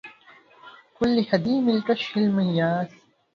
قل لهضيم الكشح مياس